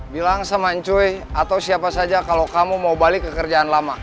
bilang samancuy atau siapa saja kalau kamu mau balik ke kerjaan lama